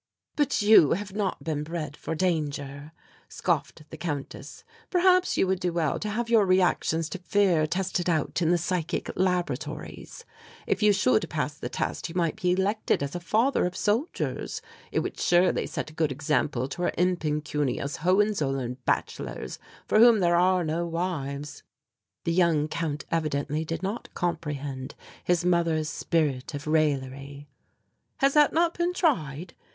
"But you have not been bred for danger," scoffed the Countess. "Perhaps you would do well to have your reactions to fear tested out in the psychic laboratories; if you should pass the test you might be elected as a father of soldiers; it would surely set a good example to our impecunious Hohenzollern bachelors for whom there are no wives." The young Count evidently did not comprehend his mother's spirit of raillery. "Has that not been tried?"